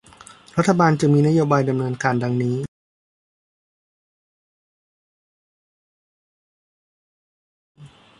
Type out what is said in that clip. รัฐบาลจึงมีนโยบายดำเนินการดังนี้